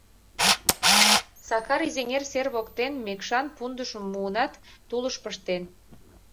Сакар изеҥер сер воктен мекшан пундышым муынат, тулыш пыштен.